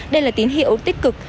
đây là tín hiệu tích cực